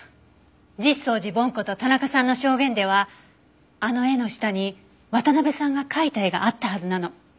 実相寺梵こと田中さんの証言ではあの絵の下に渡辺さんが描いた絵があったはずなの。